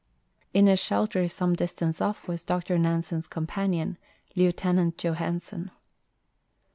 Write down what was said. In a shelter some distance off was Dr Nansen's companion. Lieutenant Johansen.